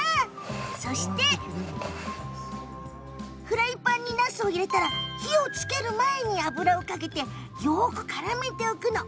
そしてフライパンに、なすを入れたら火をつける前に油をかけてよくからめておくのよ。